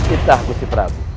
itah gusti prabu